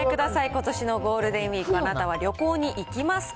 ことしのゴールデンウィーク、あなたは旅行に行きますか？